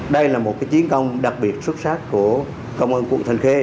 đây là một chiến công đặc biệt xuất sắc của công an quận thanh khê